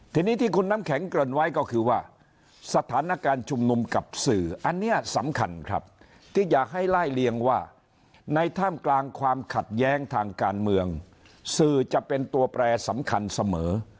ทีนี้ที่คุณน้ำแข็งเกริ่นไว้ก็คือว่าสถานการณ์ชุมนุมกับสื่ออันนี้สำคัญครับที่อยากให้ไล่เลียงว่าในท่ามกลางความขัดแย้งทางการเมืองสื่อจะเป็นตัวแปรสำคัญเสมอ